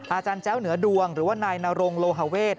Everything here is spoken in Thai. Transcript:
อาจารย์แจ้วเหนือดวงหรือว่านายนรงโลฮาเวท